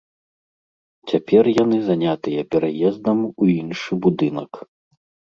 Цяпер яны занятыя пераездам у іншы будынак.